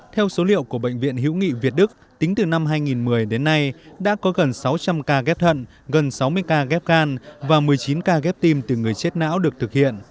theo số liệu của bệnh viện hữu nghị việt đức tính từ năm hai nghìn một mươi đến nay đã có gần sáu trăm linh ca ghép thận gần sáu mươi ca ghép gan và một mươi chín ca ghép tim từ người chết não được thực hiện